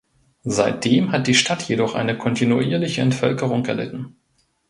Seitdem hat die Stadt jedoch eine kontinuierliche Entvölkerung erlitten.